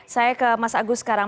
saya ke mas agus sekarang